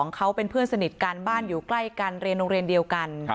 เขาเป็นเพื่อนสนิทกันบ้านอยู่ใกล้กันเรียนโรงเรียนเดียวกัน